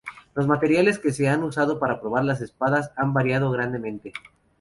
Los materiales que se han usado para probar las espadas han variado grandemente.